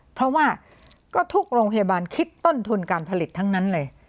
เพราะว่าก็ทุกโรงพยาบาลคิดต้นทุนการผลิตทั้งนั้นเลย